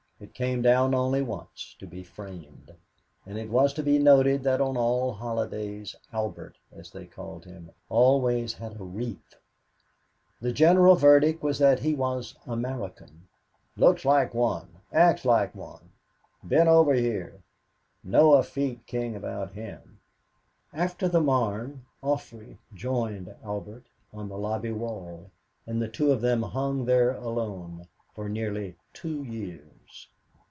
It came down only once to be framed, and it was to be noted that on all holidays "Albert," as they called him, always had a wreath. The general verdict was that he was "American" "looks like one" "acts like one" "been over here" "no effete king about him." After the Marne, Joffre joined Albert on the lobby wall, and the two of them hung there alone for nearly two years.